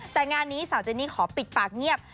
แต่งานนี้สาวเจนี่ขอปิดปากเงียบ